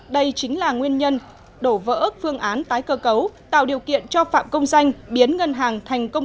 đây chính là nguyên nhân đổ vỡ ước phương án tái cơ cấu tạo điều kiện cho phạm công danh biến ngân hàng thành công